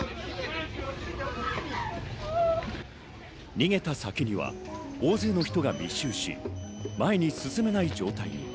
逃げた先には大勢の人が密集し、前に進めない状態に。